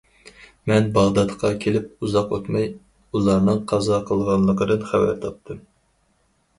مەن باغدادقا كېلىپ ئۇزاق ئۆتمەي، ئۇلارنىڭ قازا قىلغانلىقىدىن خەۋەر تاپتىم.